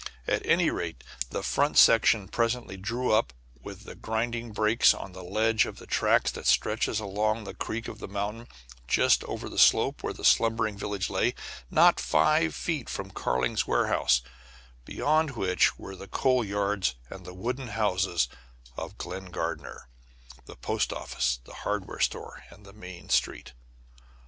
At any rate, the front section presently drew up with grinding brakes on the ledge of track that stretches along the cheek of the mountain just over the slope where the slumbering village lay, not five feet from Carling's warehouse, beyond which were the coal yards and the wooden houses of Glen Gardner, the post office, the hardware store, and the main street.